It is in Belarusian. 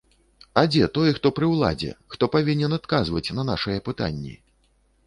А дзе той, хто пры ўладзе, хто павінен адказваць на нашыя пытанні?